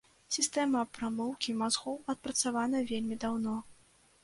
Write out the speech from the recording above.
Сістэма прамыўкі мазгоў адпрацавана вельмі даўно.